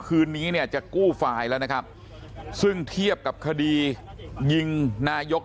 คืนนี้เนี่ยจะกู้ไฟล์แล้วนะครับซึ่งเทียบกับคดียิงนายก